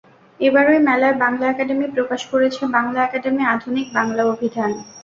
এবারই মেলায় বাংলা একাডেমি প্রকাশ করেছে বাংলা একাডেমি আধুনিক বাংলা অভিধান।